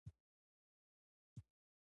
موږ غوښتل چې د هغه ذهن په سمه توګه وروزو